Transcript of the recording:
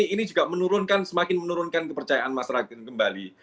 ini juga menurunkan semakin menurunkan kepercayaan masyarakat kembali